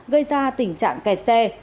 gây ra tình trạng kẹt xe